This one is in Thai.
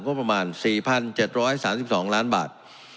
ประมาณ๔๗๓๒ล้านบาท